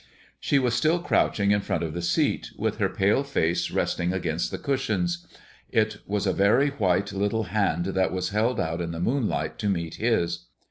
She was still crouching in front of the seat, with her pale face resting against the cushions. It was a very white little hand that was held out in the moonlight to meet his.